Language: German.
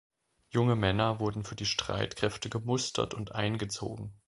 Junge Männer wurden für die Streitkräfte gemustert und eingezogen.